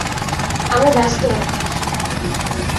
আমরা ব্যস্ত মানুষ।